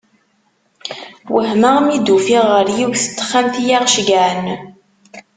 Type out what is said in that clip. Wehmeɣ mi d-ufiɣ ɣer yiwet n texxamt i aɣ-ceggɛen.